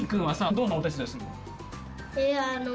どんなお手伝いするの？